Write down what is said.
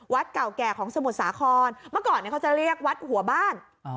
เก่าแก่ของสมุทรสาครเมื่อก่อนเขาจะเรียกวัดหัวบ้าน